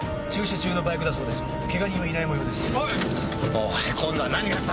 おい今度は何があった？